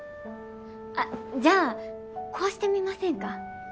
あっじゃあこうしてみませんか。